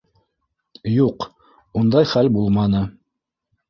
Юҡ, ундай хәл булманы.